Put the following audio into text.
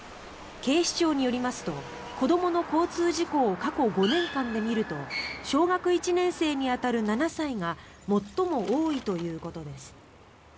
警視庁によりますと子どもの交通事故を過去５年間で見ると小学１年生に当たる７歳が最も多いということです。